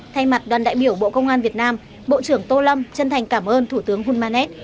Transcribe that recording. thay mặt đoàn đại biểu bộ công an việt nam bộ trưởng tô lâm chân thành cảm ơn thủ tướng hunmanet